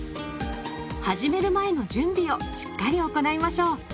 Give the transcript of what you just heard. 始める前の準備をしっかり行いましょう。